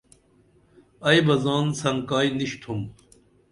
ائی بہ زان سنکائی نِشِتُھم